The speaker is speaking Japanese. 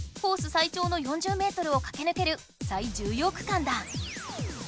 最長の４０ｍをかけぬける最重要区間だ！